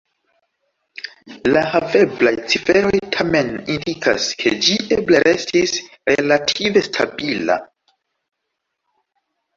La haveblaj ciferoj tamen indikas, ke ĝi eble restis relative stabila.